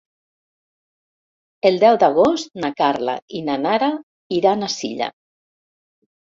El deu d'agost na Carla i na Nara iran a Silla.